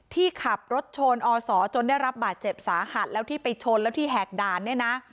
ที่ขับรถชนอศจนได้รับบาดเจ็บสาหัสแล้วที่ไปชนแล้วที่แหกด่านเนี่ยนะ